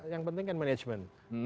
yang penting kan management